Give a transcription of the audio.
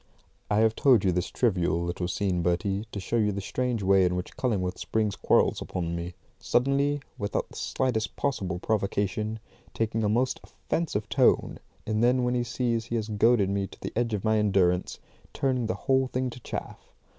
I have told you this trivial little scene, Bertie, to show the strange way in which Cullingworth springs quarrels upon me; suddenly, without the slightest possible provocation, taking a most offensive tone, and then when he sees he has goaded me to the edge of my endurance, turning the whole thing to chaff.